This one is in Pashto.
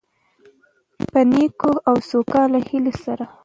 په نیکو او سوکاله هيلو سره،